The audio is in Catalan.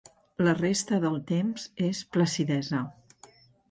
La resta del temps és placidesa.